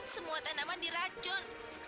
semua tanaman diracun